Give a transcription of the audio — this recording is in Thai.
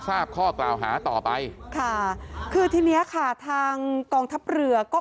ทราบข้อกล่าวหาต่อไปค่ะคือทีเนี้ยค่ะทางกองทัพเรือก็